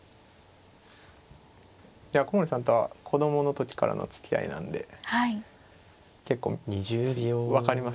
古森さんとは子供の時からのつきあいなんで結構分かりますね